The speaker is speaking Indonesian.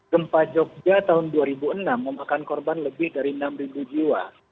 gempa jogja tahun dua ribu enam memakan korban lebih dari enam jiwa